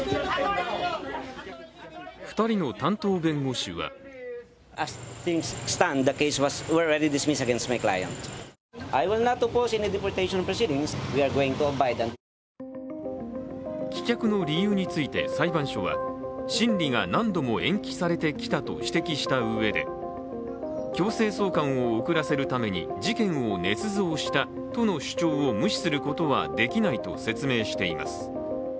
２人の担当弁護士は棄却の理由について、裁判所は審理が何度も延期されてきたと指摘したうえで強制送還を遅らせるために事件をねつ造したとの主張を無視することはできないと説明しています。